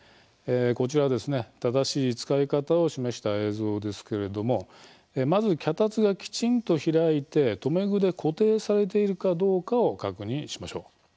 こちら、正しい使い方を示した映像ですけれどもまず脚立がきちんと開いて留め具で固定されているかどうかを確認しましょう。